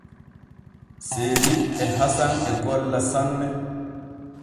Seeni e Hasan e golla sanne.